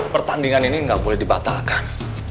pertandingan ini nggak boleh dibatalkan